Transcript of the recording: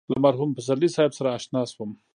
له مرحوم پسرلي صاحب سره اشنا شوم.